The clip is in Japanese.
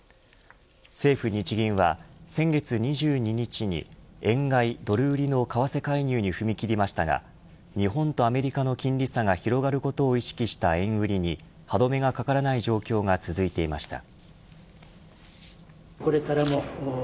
政府、日銀は先月２２日に円買いドル売りの為替介入に踏み切りましたが日本とアメリカの金利差が広がることを意識した円売りに歯止めがかからない状況が続いていました。